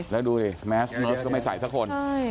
แล้วดูดิแมสก็ไม่ใส่สักคน